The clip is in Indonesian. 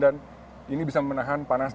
dan ini bisa menahan panas